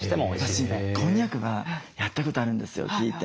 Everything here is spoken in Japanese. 私こんにゃくはやったことあるんですよ聞いて。